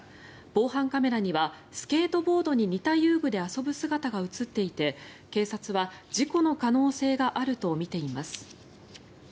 防犯カメラにはスケートボードに似た遊具で遊ぶ姿が映っていて警察は事故の可能性があるとみています。